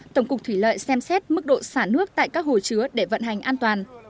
tổng cục thủy lợi xem xét mức độ xả nước tại các hồ chứa để vận hành an toàn